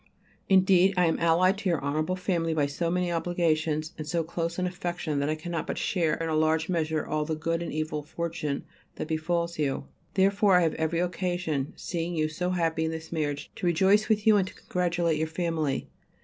Indeed, I am allied to your honourable family by so many obligations and so close an affection that I cannot but share in a large measure all the good and evil fortune that befalls you; therefore have I every reason, seeing you so happy in this marriage, to rejoice with you and to congratulate your family.